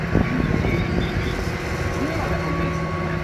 Actualmente puede ser encontrada en la reedición del álbum Greatest.